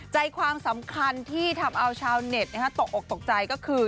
ใจความสำคัญที่ทำเอาชาวเน็ตตกออกตกใจก็คือ